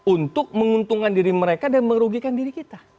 untuk menguntungkan diri mereka dan merugikan diri kita